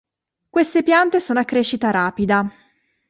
Queste piante sono a crescita rapida.